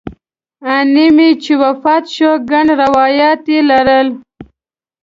انا مې چې وفات شوه ګڼ روایات یې لرل.